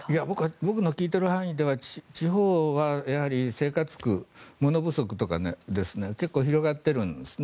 僕の聞いている範囲では地方はやはり生活苦物不足とかが結構広がっているんですね。